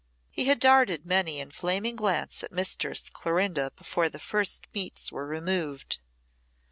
He had darted many an inflaming glance at Mistress Clorinda before the first meats were removed.